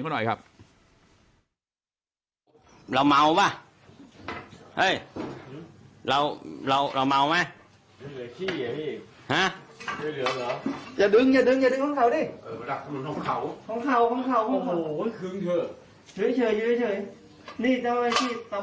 ก็เป็นเขาดาวน์ฟิวเจอร์ไอ้บอยมันเริ่มต้องฝรั่งประสิทธิได้